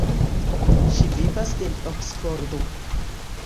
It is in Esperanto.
Ŝi vivas en Oksfordo.